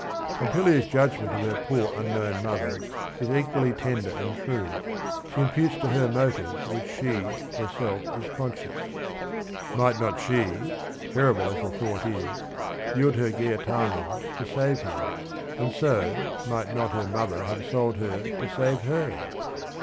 " Pompilia's judgment of her poor unknown mother is equally tender and true. She imputes to her motives of which she herself is conscious. Might not she, terrible as the thought is, yield her Gaetano to save him, and so might not her mother have sold her to save her?